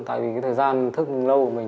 tại vì cái thời gian thức lâu của mình